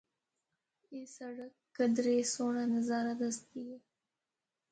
اے سڑک کدرے سہنڑا نظارہ دسدی ہے۔